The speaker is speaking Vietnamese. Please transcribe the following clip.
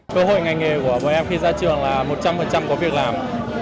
cơ hội ngành nghề của bọn em khi ra trường là một trăm linh có việc làm